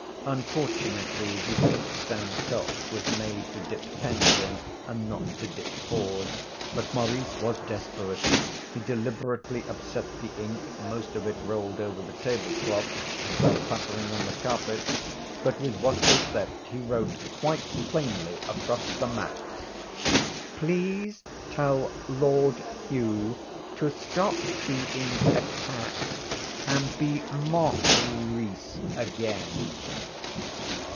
Unfortunately, the inkstand top was made to dip pens in, and not to dip paws. But Maurice was desperate. He deliberately upset the ink most of it rolled over the table cloth and fell pattering on the carpet, but with what was left he wrote quite plainly, across the map: 'Please tell Lord Hugh to stop being a cat and be Mau rice again.'